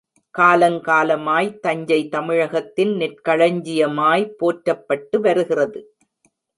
காலங்காலமாய் தஞ்சை தமிழகத்தின் நெற்களஞ்சியமாய் போற்றப்பட்டு வருகிறது.